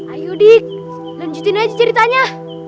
ayo dik lanjutin aja ceritanya